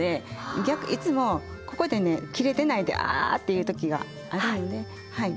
いつもここでね切れてないであ！っていう時があるのではい。